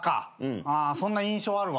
あそんな印象あるわ。